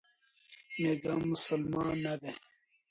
میکا مسلمان نه دی.